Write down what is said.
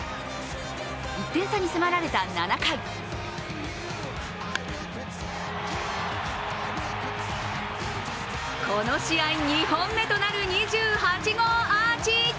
１点差に迫られた７回この試合、２本目となる２８号アーチ。